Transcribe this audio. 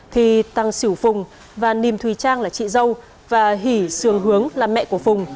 thì tăng sửu phùng và nìm thùy trang là chị dâu và hỷ sường hướng là mẹ của phùng